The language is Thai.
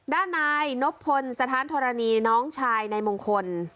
ด้านนายนบพลสถานธรณีน้องชายนายมงคล